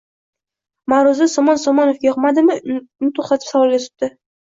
Ma`ruza Somon Somonovga yoqmadimi, uni to`xtatib savolga tutdi